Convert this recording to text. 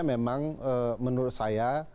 memang menurut saya